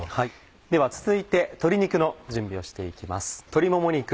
では続いて鶏肉の準備をしていきます。